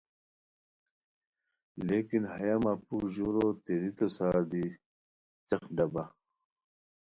لیکن ہیہ مہ پھوک ژورو تیریتو سار دی څیق ڈبہ۔